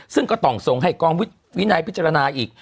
ซึ่งก็ต้องส่งให้กองวินัยพิจารณาอีก